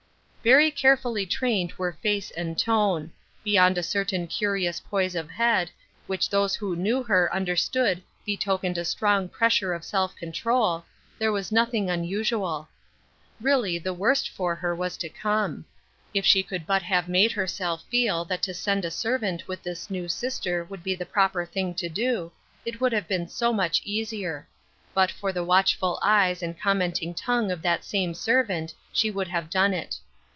Very carefully trained were face and tone. Beyond a certain curious poise of head, which those who knew her understood betokened a strong pressure of self control, there was nothing unusual. Really, the worst for her was to come. If she could but have made herself feel that to send a servant with this n ,v sister would be^ the proper thing to do, it would have been so much easier. But for the watchful eyes and comment ing tongue of that same servant she would have done it.